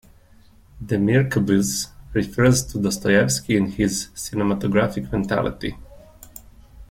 Demirkubuz, refers to Dostoevsky in his cinematographic mentality.